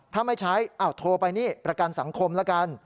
ถ้าไม่ใช้โทรไปนี่ประกันสังคมละกัน